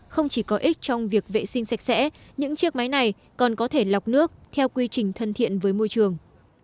không chỉ có ích trong việc vệ sinh sạch sẽ những chiếc máy này còn có thể lọc nước theo quy trình thân thiện với môi trường